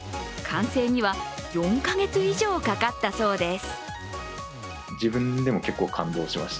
完成には４か月以上かかったそうです。